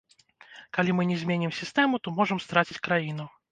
Калі мы не зменім сістэму, то можам страціць краіну.